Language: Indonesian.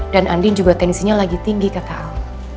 dan andin juga tenisinya lagi tinggi kata al